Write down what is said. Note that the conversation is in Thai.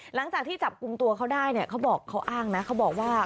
หลังจากที่จับกลุ่มตัวเขาได้เนี่ยเขาบอกเขาอ้างนะเขาบอกว่า